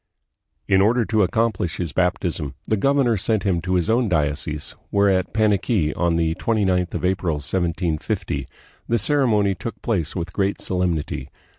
In order to accomplish his baptism, the governor sent him to his own diocese, where at Paniqui, on the 29th of April, 1750, the ceremony took place with great solemnity.